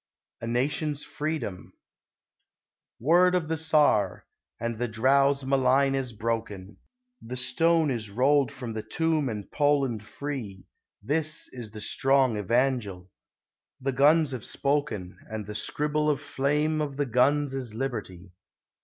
A NATION'S FREEDOM Word of the Tsar! and the drowse malign is broken; The stone is rolled from the tomb and Poland free, This is the strong evangel. The guns have spoken; And the scribble of flame of the guns is Liberty.